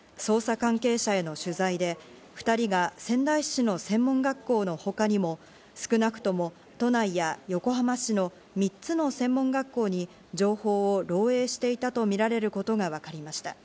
捜査関係者への取材で、２人が仙台市の専門学校のほかにも少なくとも、都内や横浜市の３つの専門学校に、情報を漏えいしていたとみられることがわかりました。